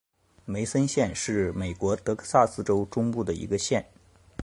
梅森县是美国德克萨斯州中部的一个县。